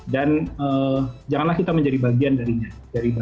dan janganlah kita menjadi bagian dari rantai penularan tersebut